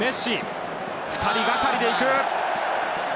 ２人がかりで行く。